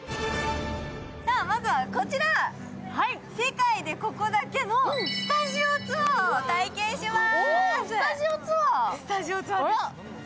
まずは、こちら、世界でここだけのスタジオツアーを体験します。